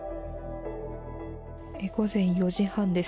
午前４時半です。